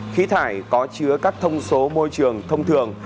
khí thải có chứa các thông số môi trường thông thường